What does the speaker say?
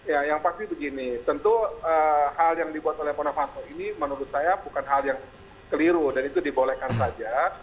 ya yang pasti begini tentu hal yang dibuat oleh pak novanto ini menurut saya bukan hal yang keliru dan itu dibolehkan saja